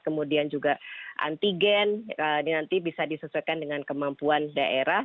kemudian juga antigen ini nanti bisa disesuaikan dengan kemampuan daerah